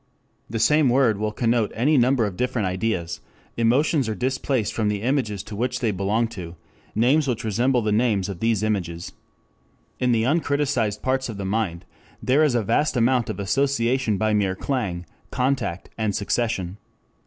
The same word will connote any number of different ideas: emotions are displaced from the images to which they belong to names which resemble the names of these images. In the uncriticized parts of the mind there is a vast amount of association by mere clang, contact, and succession.